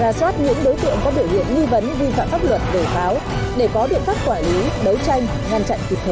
ra soát những đối tiệm có biểu hiện nghi vấn vi phạm pháp luật về pháo